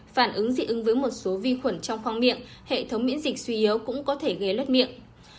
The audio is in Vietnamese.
phản ứng dị ứng với một số vi khuẩn trong khoang miệng hệ thống miễn dịch suy yếu cũng có thể gây lất miệng